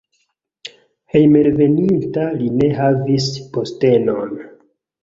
Hejmenveninta li ne havis postenon.